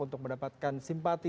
untuk mendapatkan simpati